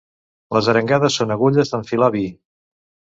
Les arengades són agulles d'enfilar vi.